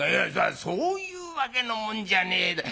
「そういうわけのもんじゃねえだ